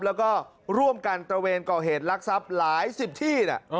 แล้วก็ร่วมกันตระเวนก่อเหตุลักษัพหลายสิบที่นะ